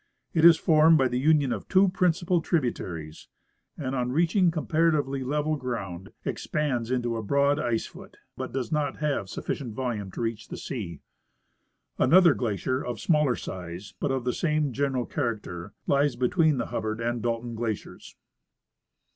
It is formed by the union of two principal tributaries^ and, on reaching comparatively level ground, expands into a broad ice foot, but does not have sufficient volume to reach the sea. Another glacier, of smaller size but of the same general character, lies between the Hubbard and Dalton glaciers.